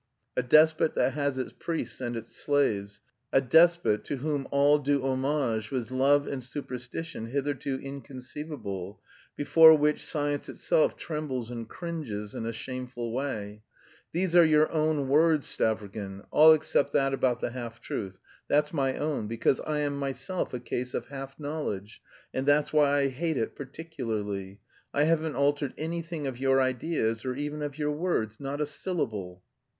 A despot that has its priests and its slaves, a despot to whom all do homage with love and superstition hitherto inconceivable, before which science itself trembles and cringes in a shameful way. These are your own words, Stavrogin, all except that about the half truth; that's my own because I am myself a case of half knowledge, and that's why I hate it particularly. I haven't altered anything of your ideas or even of your words, not a syllable."